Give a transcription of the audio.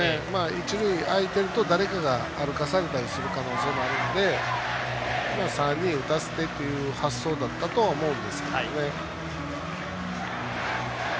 一塁空いていると誰かが歩かされたりする可能性があるので３人打たせてという発想だったとは思うんですけどね。